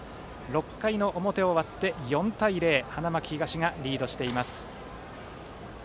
６回の表が終わって、４対０と花巻東がリードしています。